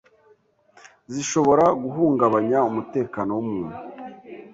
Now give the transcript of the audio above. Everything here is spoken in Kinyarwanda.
zishobora guhungabanya umutekano w’umuntu